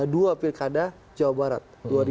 dua pilkada jawa barat